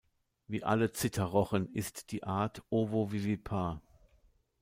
Wie alle Zitterrochen ist die Art ovovivipar.